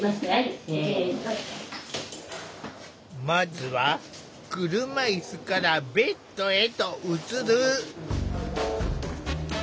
まずは車いすからベッドへと移る。